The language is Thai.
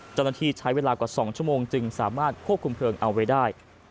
จัดหน้าที่ใช้เวลากว่าสองชมจึงสามารถควบคุมเพิงเอาไว้ได้